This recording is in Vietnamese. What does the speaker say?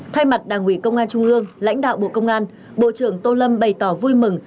thay mặt đảng ủy công an trung ương lãnh đạo bộ công an bộ trưởng tô lâm bày tỏ vui mừng